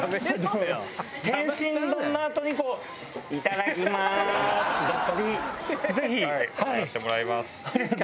「天津丼」のあとに「いただきます」だったり。